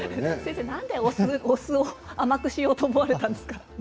なんでお酢を甘くしようと思われたんですか？